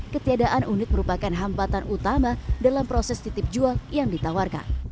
ketiadaan unit merupakan hambatan utama dalam proses titip jual yang ditawarkan